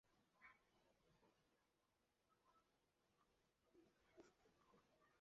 得名于捐款兴校的慈善家周荣富。